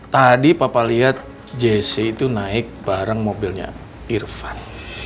tadi papa lihat jesse itu naik bareng mobilnya irvan